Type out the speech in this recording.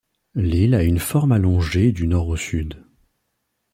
L'île a une forme allongée du nord au sud.